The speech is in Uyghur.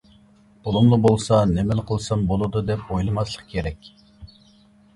پۇلۇملا بولسا نېمىلا قىلسام بولىدۇ، دەپ ئويلىماسلىق كېرەك.